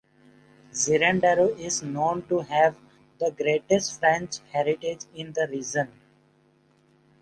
Zirandaro is known to have the greatest French heritage in the region.